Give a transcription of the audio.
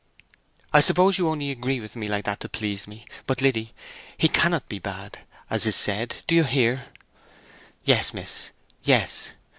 "I suppose you only agree with me like that to please me. But, Liddy, he cannot be bad, as is said. Do you hear?" "Yes, miss, yes."